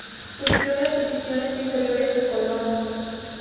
Surgió las divisiones inferiores de Colón.